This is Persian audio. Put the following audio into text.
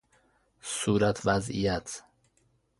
صورت وضعیت